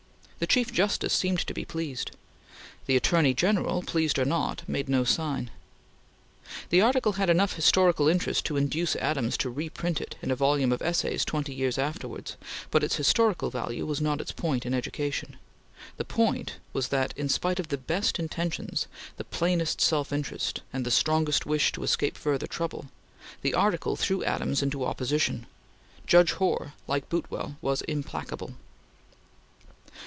The Chief Justice seemed to be pleased. The Attorney General, pleased or not, made no sign. The article had enough historical interest to induce Adams to reprint it in a volume of Essays twenty years afterwards; but its historical value was not its point in education. The point was that, in spite of the best intentions, the plainest self interest, and the strongest wish to escape further trouble, the article threw Adams into opposition. Judge Hoar, like Boutwell, was implacable.